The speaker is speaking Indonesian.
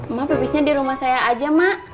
mama pipisnya di rumah saya aja mak